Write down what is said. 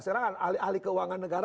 sekarang ahli keuangan negara